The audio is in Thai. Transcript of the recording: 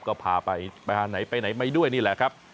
ก็พาไปไปหาไหนไปไหนมาด้วยนี่แหละครับ